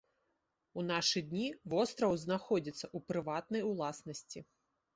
У нашы дні востраў знаходзіцца ў прыватнай уласнасці.